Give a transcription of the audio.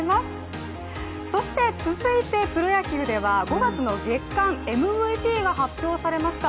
そして続いてプロ野球では５月の月間ＭＶＰが発表されました。